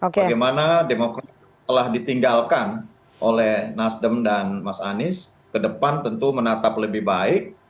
bagaimana demokrat setelah ditinggalkan oleh nasdem dan mas anies ke depan tentu menatap lebih baik